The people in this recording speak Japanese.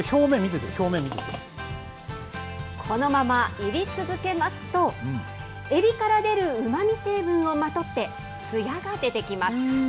いり続けますと、エビから出るうまみ成分をまとって、つやが出てきます。